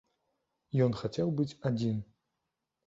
Ён хацеў быць адзін.